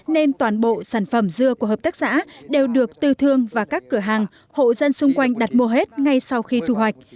nên toàn bộ sản phẩm dưa của hợp tác xã đều được tư thương và các cửa hàng hộ dân xung quanh đặt mua hết ngay sau khi thu hoạch